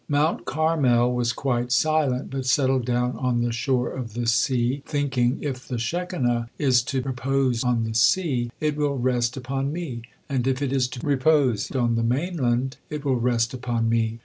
Mount Carmel was quite silent, but settled down on the shore of the sea, thinking: "If the Shekinah is to repose on the sea, it will rest upon me, and if it is to repose on the mainland, it will rest upon me."